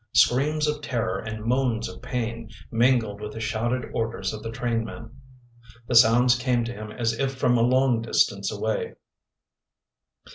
Screams of terror and moans of pain mingled with the shouted orders of the trainmen. The sounds came to him as if from a long distance away.